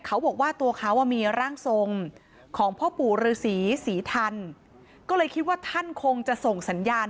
เขาบอกว่าตัวเขามีร่างทรงของพ่อปู่ฤษีศรีศรีทันก็เลยคิดว่าท่านคงจะส่งสัญญาณ